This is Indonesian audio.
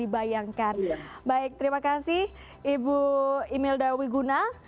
baik terima kasih ibu imelda wiguna